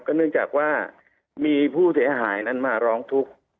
เนื่องจากว่ามีผู้เสียหายนั้นมาร้องทุกข์